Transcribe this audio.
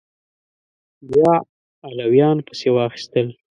بیا علویان پسې واخیستل